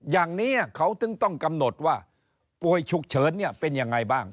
อย่างนี้เขาถึงต้องกำหนดว่าป่วยฉุกเฉินเนี่ยเป็นยังไงบ้าง